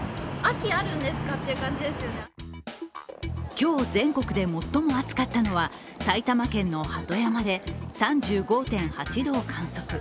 今日、全国で最も暑かったのは埼玉県の鳩山で３５．８度を観測。